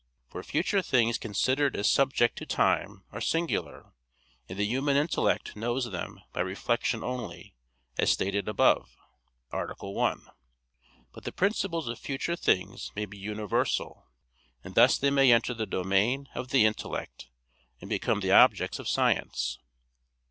For future things considered as subject to time are singular, and the human intellect knows them by reflection only, as stated above (A. 1). But the principles of future things may be universal; and thus they may enter the domain of the intellect and become the objects of science.